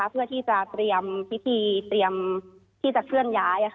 เพื่อที่จะเตรียมพิธีเตรียมที่จะเคลื่อนย้าย